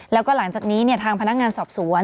แล้วก็หลังจากนี้ทางพนักงานสอบสวน